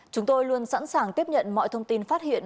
chúng tôi luôn sẵn sàng tiếp nhận mọi thông tin phát hiện